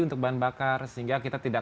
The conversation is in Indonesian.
untuk bahan bakar sehingga kita tidak